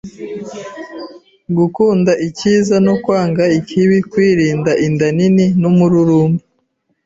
gukunda icyiza no kwanga ikibi, kwirinda inda nini n’umururumba